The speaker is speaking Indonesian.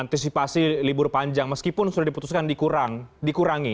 antisipasi libur panjang meskipun sudah diputuskan dikurangi